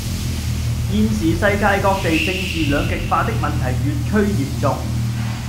現時世界各地政治兩極化的問題越趨嚴重